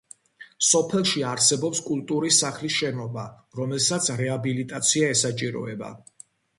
სოფელში არსებობს კულტურის სახლის შენობა, რომელსაც რეაბილიტაცია ესაჭიროება.